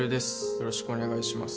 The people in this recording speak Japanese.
よろしくお願いします